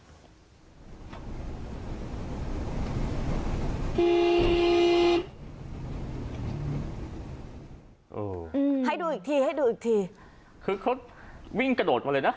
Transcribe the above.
โอ้โหให้ดูอีกทีให้ดูอีกทีคือเขาวิ่งกระโดดมาเลยนะ